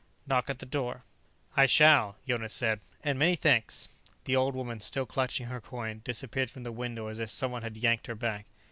Knock at the door." "I shall," Jonas said, "and many thanks." The old woman, still clutching her coin, disappeared from the window as if someone had yanked her back.